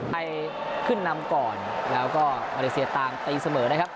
ให้ขึ้นนำก่อนแล้วก็มาเลเซียตามตีเสมอนะครับ